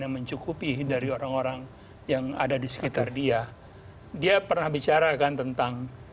yang mencukupi dari orang orang yang ada disekitar dia dia pernah bicarakan tentang